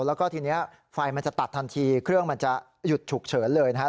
แล้วก็ทีนี้ไฟมันจะตัดทันทีเครื่องมันจะหยุดฉุกเฉินเลยนะครับ